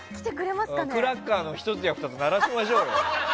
クラッカーの１つや２つ鳴らしましょう。